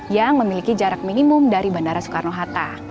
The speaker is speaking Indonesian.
yang memiliki jarak minimum dari bandara soekarno hatta